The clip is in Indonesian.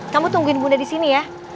kamu tungguin bunda disini ya